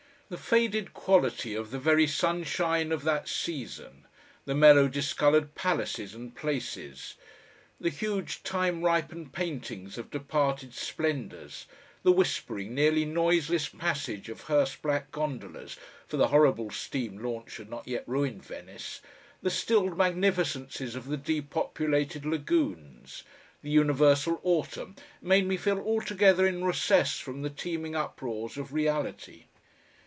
The faded quality of the very sunshine of that season, the mellow discoloured palaces and places, the huge, time ripened paintings of departed splendours, the whispering, nearly noiseless passage of hearse black gondolas, for the horrible steam launch had not yet ruined Venice, the stilled magnificences of the depopulated lagoons, the universal autumn, made me feel altogether in recess from the teeming uproars of reality.